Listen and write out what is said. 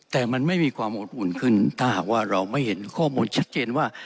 แต่มันไม่มีความอดอุ่นขึ้นถ้าหากว่าเราไม่เห็นข้อมูลชัดเจนว่า